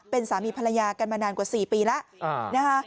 เป็นสามีภรรยากันมานานกว่า๔ปีแล้วนะคะ